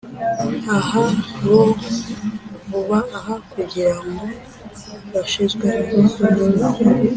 ah, bo, vuba aha kugirango bashizwemo